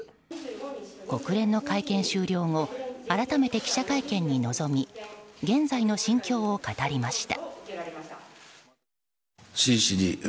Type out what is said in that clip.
国連の会見終了後改めて記者会見に臨み現在の心境を語りました。